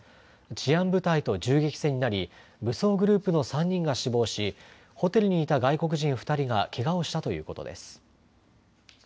治安部隊と銃撃戦になり武装グループの３人が死亡しホテルにいた外国人２人がけがをしたということです。